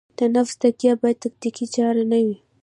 د نفس تزکیه باید تکتیکي چاره نه وي.